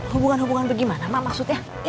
hubungan hubungan itu gimana ma maksudnya